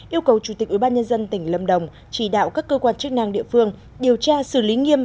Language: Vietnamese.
yêu cầu chủ tịch ủy ban nhân dân tỉnh lâm đồng chỉ đạo các cơ quan chức năng địa phương điều tra xử lý nghiêm